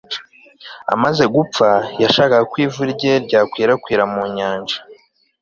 amaze gupfa, yashakaga ko ivu rye ryakwirakwira mu nyanja